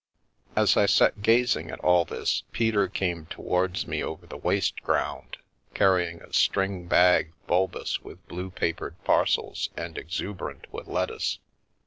As I sat gazing at all this, Peter came towards me over the waste ground, carrying a string bag bulbous with blue papered parcels and exuberant with lettuce.